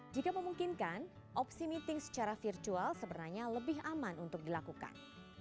jika memungkinkan opsi meeting secara virtual sebenarnya lebih aman untuk dilakukan